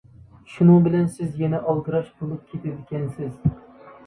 شۇنىڭ بىلەن سىز يەنە ئالدىراش بولۇپ كېتىدىكەنسىز.